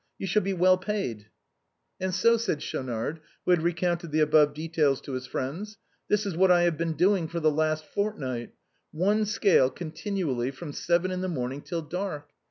You shall be well paid." " And so," said Schaunard, who had recounted the above details to his friends, " this is what I have been doing for the last fortnight. One scale continually from seven in the morning till dark.